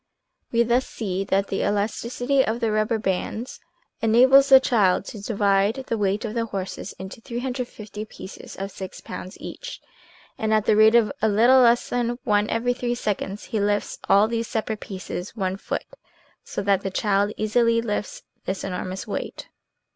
We thus see that the elasticity of the rubber bands enables the child to divide the weight of the horses into 350 pieces of six pounds each, and at the rate of a little less than one every three seconds, he lifts all these separate pieces one foot, so that the child easily lifts this enormous weight.